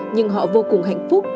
nhưng họ vô cùng hạnh phúc